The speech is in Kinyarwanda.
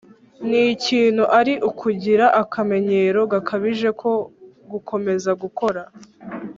n ikintu ari ukugira akamenyero gakabije ko gukomeza gukora